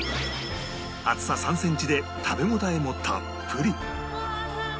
厚さ３センチで食べ応えもたっぷり！